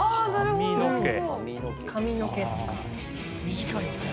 短いよね。